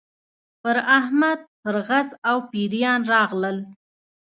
پر احمد پرغز او پېریان راغلل.